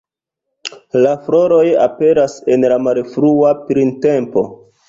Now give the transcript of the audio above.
La floroj aperas en la malfrua printempo.